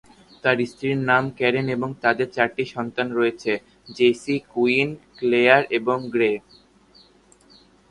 তার স্ত্রীর নাম ক্যারেন, এবং তাদের চারটি সন্তান রয়েছে: জেসি, কুইন, ক্লেয়ার এবং গ্রে।